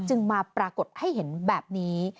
จึงมาปรากฏให้เห็นแบบนี้